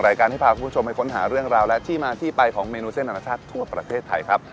รายการที่พาคุณผู้ชมไปค้นหาเรื่องราวและที่มาที่ไปของเมนูเส้นอนาชาติทั่วประเทศไทยครับ